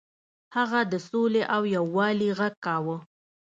هغه د سولې او یووالي غږ کاوه.